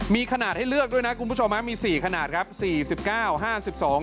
มีขนาดให้เลือกด้วยนะคุณผู้ชมฮะมีสี่ขนาดครับสี่สิบเก้าห้าสิบสอง